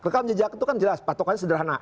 rekam jejak itu kan jelas patokannya sederhana